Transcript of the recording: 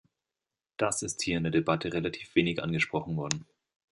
Das ist hier in der Debatte relativ wenig angesprochen worden.